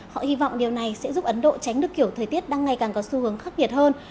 họ hy vọng điều này sẽ giúp ấn độ tránh được kiểu thời tiết đang ngày càng có xu hướng khắc nghiệt hơn